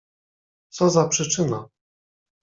"Co za przyczyna?"